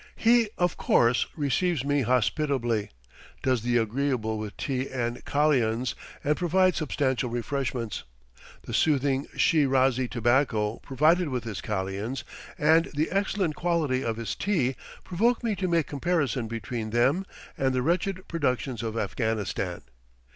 He, of course, receives me hospitably, does the agreeable with tea and kalians, and provides substantial refreshments. The soothing Shi razi tobacco provided with his kalians, and the excellent quality of his tea, provoke me to make comparison between them and the wretched productions of Afghanistan.